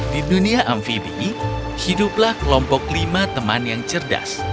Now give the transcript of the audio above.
di dunia amfibi hiduplah kelompok lima teman yang cerdas